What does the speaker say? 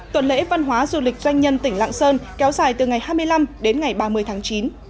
tuần lễ văn hóa du lịch doanh nhân tỉnh lạng sơn kéo dài từ ngày hai mươi năm đến ngày ba mươi tháng chín